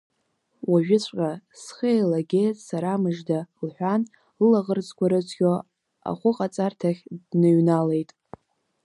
Уажәыҵәҟьа, схы еилагеит сарамыжда, — лҳәан, лылаӷырӡқәа рыцқьо ахәыҟаҵарҭахь дныҩналеит.